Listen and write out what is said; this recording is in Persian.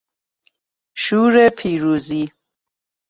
شور پیروزی